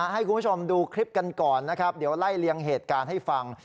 ให้คุณผู้ชมดูคลิปกันก่อนนะครับเดี๋ยวไล่เลี่ยงเหตุการณ์ให้ฟัง